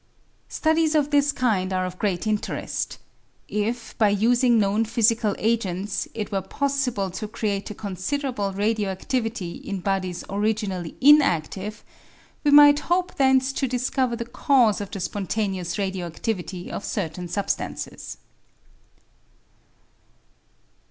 Studies of this kind are of great interest. If, by using known physical agents, it were possible to create a con siderable radio adlivity in bodies originally inadlive, we might hope thence to discover the cause of the spontaneous radio adlivity of certain substances.